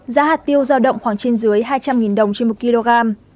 giá hạt tiêu giao động khoảng trên dưới hai trăm linh đồng trên một kg